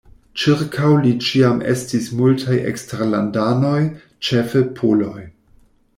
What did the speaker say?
Ĉirkaŭ li ĉiam estis multaj eksterlandanoj, ĉefe poloj.